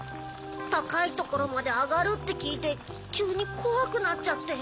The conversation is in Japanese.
たかいところまであがるってきいてきゅうにこわくなっちゃって。